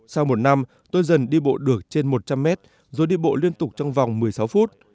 sau một năm tôi dần đi bộ được trên một trăm linh mét rồi đi bộ liên tục trong vòng một mươi sáu phút